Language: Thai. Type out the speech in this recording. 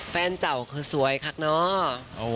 แฟนเจ้าคือสวยครับเนาะ